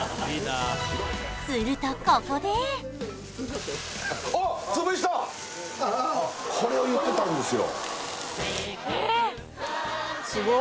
ここでおっこれを言ってたんですよ